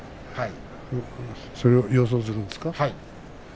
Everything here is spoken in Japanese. それを予想するんですか？